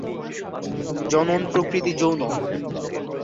জনন প্রকৃতি যৌন।